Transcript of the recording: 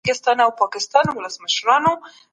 کمپيوټر فايل ډاونلوډوي.